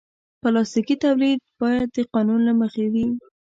پلاستيکي تولید باید د قانون له مخې وي.